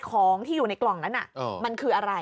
ของที่อยู่ในกล่องนั้นมันคืออะไร